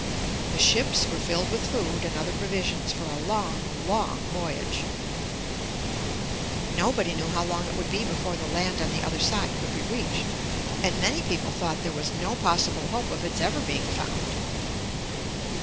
The ships were filled with food and other provisions for a long, long voyage. 211 MY BOOK HOUSE Nobody knew how long it would be before the land on the other side could be reached, and many people thought there was no possible hope of its ever being found.